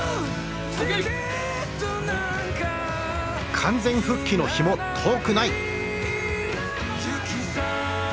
完全復帰の日も遠くない。